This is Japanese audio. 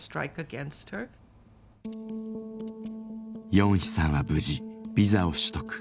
ヨンヒさんは無事ビザを取得。